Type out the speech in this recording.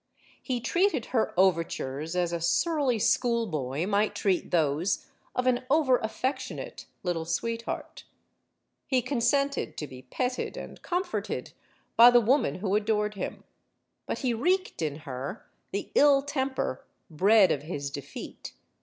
He treated her overtures as a surly school boy might treat those of an over affectionate little sweetheart. He consented to be petted and comforted by the woman who adored him. But he wreaked in her the ill temper bred of his defeat.